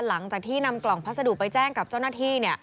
หลังจากที่นำกล่องพัสดุไปแจ้งกับเจ้าหน้าที่